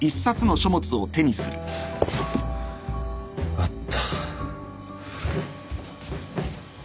あった。